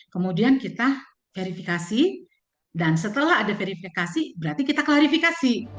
kemudian kita verifikasi dan setelah ada verifikasi berarti kita klarifikasi